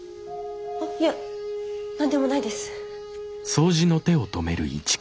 いや何でもないです。